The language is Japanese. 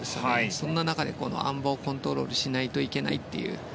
そんな中であん馬をコントロールしないといけないという。